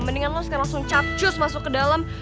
mendingan lu sekarang langsung capcus masuk ke dalam